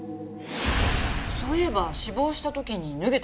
そういえば死亡した時に脱げてましたよね。